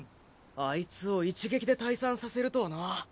アイツを一撃で退散させるとはな。